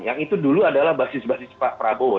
yang itu dulu adalah basis basis pak prabowo